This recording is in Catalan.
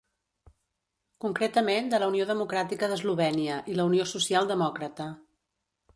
Concretament de la Unió Democràtica d'Eslovènia i la Unió Social-Demòcrata.